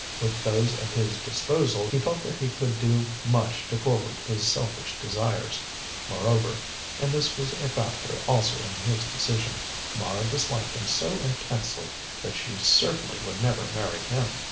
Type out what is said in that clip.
With those at his disposal, he felt that he could do much to forward his selfish desires. Moreover and this was a factor also in his decision Mara disliked him so intensely that she certainly would never marry him.